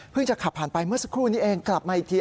จะขับผ่านไปเมื่อสักครู่นี้เองกลับมาอีกที